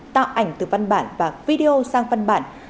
tạo ảnh từ văn bản và video sang văn bản